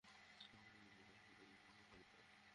এখন একটি সৃষ্টি অপর একটি সৃষ্টির ইবাদত কিভাবে করতে পারে!